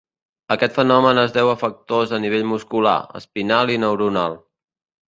Aquest fenomen es deu a factors a nivell muscular, espinal i neuronal.